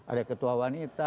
ada ketua wanita